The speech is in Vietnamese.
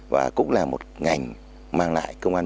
và cũng là một ngành mang lại công an